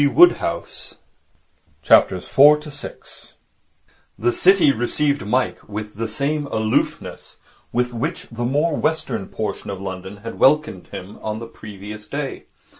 First Steps in a Business Career The City received Mike with the same aloofness with which the more western portion of London had welcomed him on the previous day.